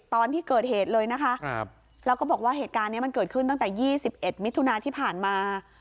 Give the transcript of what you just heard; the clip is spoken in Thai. ตอนที่เกิดเหตุเลยนะคะแล้วก็บอกว่าเหตุการณ์นี้มันเกิดขึ้นตั้งแต่๒๑มิถุนาที่ผ่านมา